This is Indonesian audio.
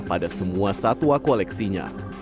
pada semua satwa koleksinya